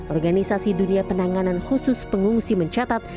organisasi dunia penanganan khusus pengungsi mencatat